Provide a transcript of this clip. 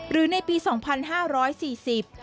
ในปีสองพันห้าร้อยสี่สิบ